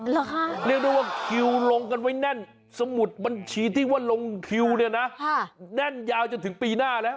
เหรอคะเรียกได้ว่าคิวลงกันไว้แน่นสมุดบัญชีที่ว่าลงคิวเนี่ยนะแน่นยาวจนถึงปีหน้าแล้ว